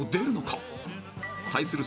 ［対する